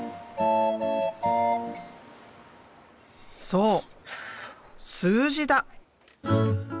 そう数字だ！